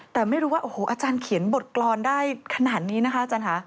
แต่ไม่รู้ว่าโอ้โหอาจารย์เขียนบทกรรมได้ขนาดนี้นะคะอาจารย์ค่ะ